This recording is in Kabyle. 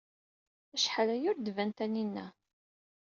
Acḥal aya ur d-tban Taninna.